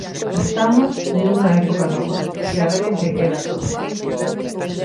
Estamos nunha época nova que a ver en que queda todo.